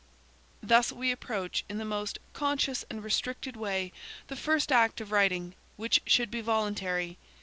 Thus we approach in the most conscious and restricted way the first act of writing, which should be voluntary.